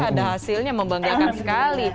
ada hasilnya membanggakan sekali